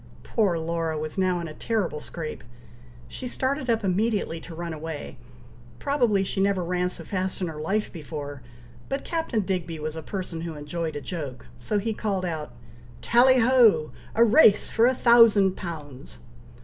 Poor Laura was now in a terrible scrape; she started up immediately to run away. Probably she never ran so fast in her life before, but Captain Digby was a person who enjoyed a joke, so he called out "Tally ho! a race for a thousand pounds!"